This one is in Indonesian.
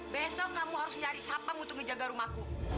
besok kamu harus nyari sapang untuk menjaga rumahku